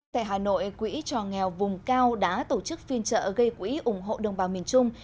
tại hà nội quỹ cho nghèo vùng cao đã tổ chức phiên trợ gây quỹ ủng hộ đồng bào miền trung